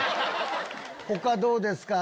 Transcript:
他どうですか？